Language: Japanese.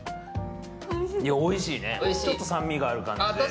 おいしいね、ちょっと酸味があるような感じ。